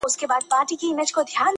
چي شریک یې په قدرت سي په ښکارونو!!